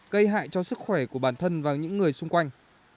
gây hại cho sức khỏe của bản thân và những người xung quanh